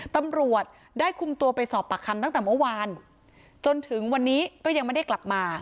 ตำรวจได้คุมตัวไปสอบปากคำตั้งแต่เมื่อวานจนถึงวันนี้ก็ยังไม่ได้กลับมา